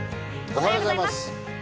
おはようございます。